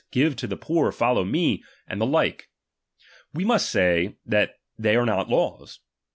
Give to the poor. Follow me ; and iiieiit' the like ?. We must say that they are not laws, S.